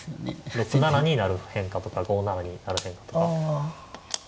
６七に成る変化とか５七に成る変化とか。